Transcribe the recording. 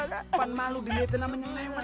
kan malu dia itu namanya lewat